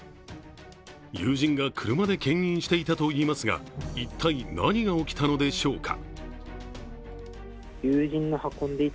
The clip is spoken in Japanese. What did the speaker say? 友人が車でけん引していたといいますが、一体何が起きたのでしょうか。